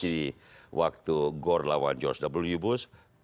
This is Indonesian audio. di waktu gore lawan george w bush